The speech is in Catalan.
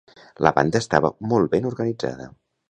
La banda estava molt ben organitzada.